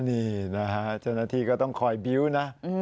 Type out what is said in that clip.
นี่นะฮะจนนาทีก็ต้องคอยบิ๊วน่ะ